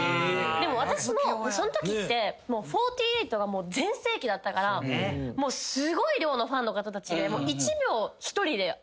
でも私もそのときって４８が全盛期だったからすごい量のファンの方たちで。